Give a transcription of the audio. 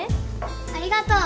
ありがとう。